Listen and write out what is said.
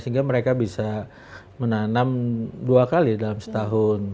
sehingga mereka bisa menanam dua kali dalam setahun